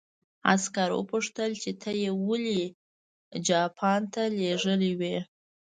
عسکر وپوښتل چې ته یې ولې جاپان ته لېږلی وې